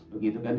begitu kan dir